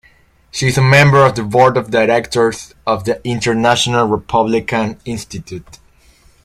She is a member of the board of directors of the International Republican Institute.